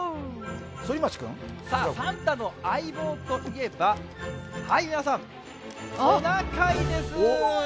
サンタの相棒といえば、皆さん、トナカイです。